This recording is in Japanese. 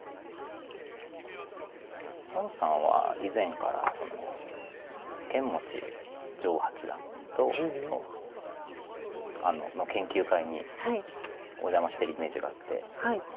孫さんは以前から釼持丈八段の研究会にお邪魔してるイメージがあって。